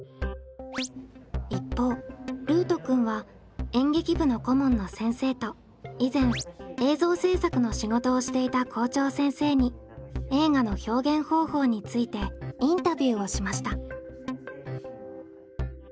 一方ルートくんは演劇部の顧問の先生と以前映像制作の仕事をしていた校長先生に映画の表現方法についてインタビューをしました。